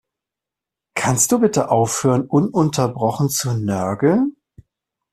Kannst du bitte aufhören, ununterbrochen zu nörgeln?